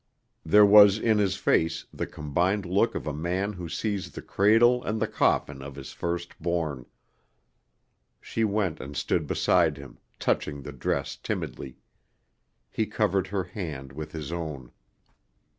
There was in his face the combined look of a man who sees the cradle and the coffin of his firstborn. She went and stood beside him, touching the dress timidly. He covered her hand with his own.